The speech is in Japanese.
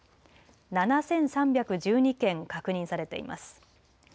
７３１２件確認されています。